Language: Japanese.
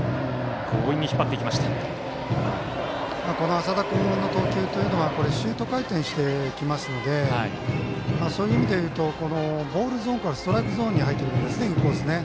淺田君の投球はシュート回転してきますのでそういう意味で言うとボールゾーンからストライクゾーンに入ってくるインコース。